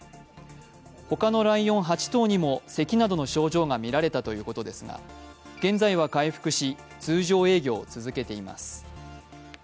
ほかのライオン８頭にもせきなどの症状が見られたということですが、現在は回復し、通常営業を続けています。